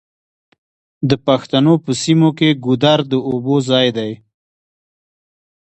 د پښتنو په سیمو کې ګودر د اوبو ځای دی.